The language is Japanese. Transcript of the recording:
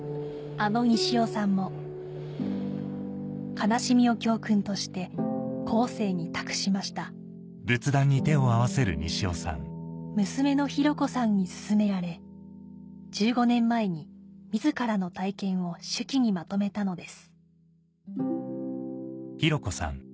あの西尾さんも悲しみを教訓として後世に託しました娘の博子さんに勧められ１５年前に自らの体験を手記にまとめたのです